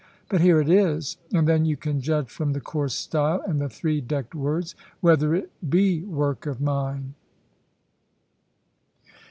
But here it is; and then you can judge from the coarse style, and the three decked words, whether it be work of mine.